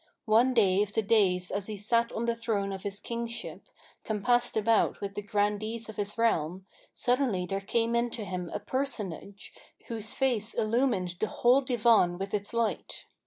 One day of the days as he sat on the throne of his Kingship, compassed about with the Grandees of his realm, suddenly there came in to him a Personage, whose face illumined the whole Divan with its light.